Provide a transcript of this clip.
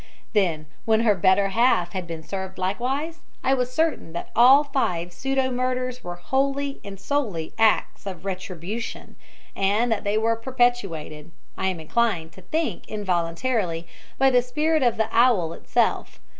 Then when her better half had been served likewise, I was certain that all five pseudo murders were wholly and solely acts of retribution, and that they were perpetrated I am inclined to think involuntarily by the spirit of the owl itself.